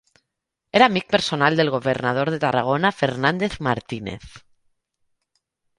Era amic personal del governador de Tarragona Fernández Martínez.